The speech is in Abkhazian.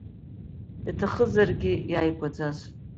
Иаҭахызаргь иааигәаӡаз…